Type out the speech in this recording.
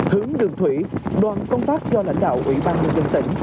hướng đường thủy đoàn công tác do lãnh đạo ủy ban nhân dân tỉnh